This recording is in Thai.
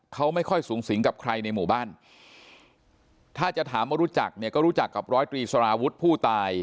เขาไม่ค่อยสูงสิงกับใครในหมู่บ้านถ้าจะถามว่ารู้จักเนี่ยก็รู้จักกับร้อยตรีสารวุฒิผู้ตาย